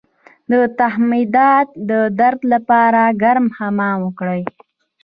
د تخمدان د درد لپاره ګرم حمام وکړئ